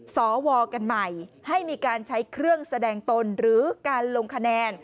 สวกันใหม่ให้มีการใช้เครื่องแสดงตนหรือการลงคะแนน